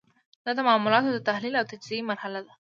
دا د معلوماتو د تحلیل او تجزیې مرحله ده.